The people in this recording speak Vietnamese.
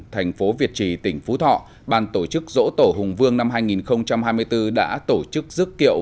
thành phố việt trì tỉnh phú thọ ban tổ chức dỗ tổ hùng vương năm hai nghìn hai mươi bốn đã tổ chức dức kiệu